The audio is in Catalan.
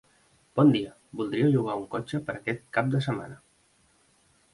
Bon dia, voldria llogar un cotxe per a aquest cap de setmana.